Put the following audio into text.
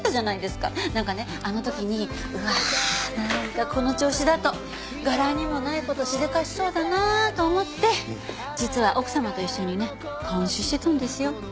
なんかねあの時にうわなんかこの調子だと柄にもない事しでかしそうだなと思って実は奥様と一緒にね監視してたんですよ。